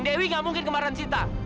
dewi nggak mungkin kembaran sita